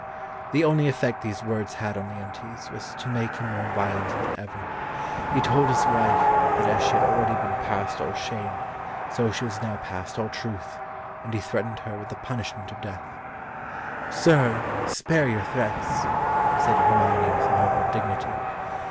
The only effect these words had on Leontes was to make him more violent than before. He told his wife that as she had already been past all shame, so she was now past all truth, and he threatened her with the punishment of death. "Sir, spare your threats," said Hermione with noble dignity.